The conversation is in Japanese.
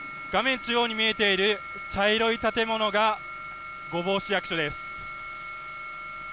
中央に見えている茶色い建物が御坊市役所です。